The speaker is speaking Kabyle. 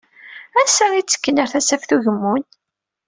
Ansa i ttekken ar Tasaft Ugemmun?